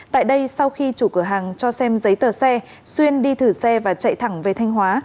tại đây sau khi chủ cửa hàng cho xem giấy tờ xe xuyên đi thử xe và chạy thẳng về thanh hóa